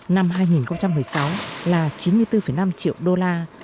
năm hai nghìn một mươi sáu là chín mươi bốn năm triệu đô la